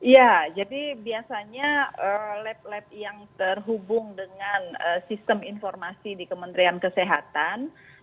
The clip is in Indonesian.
ya jadi biasanya lab lab yang terhubung dengan sistem informasi di kementerian kesehatan